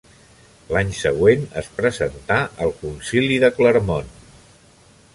L'any següent es presentà al Concili de Clermont.